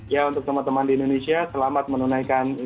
ya untuk teman teman di indonesia selamat menunaikan